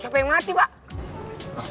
siapa yang mati pak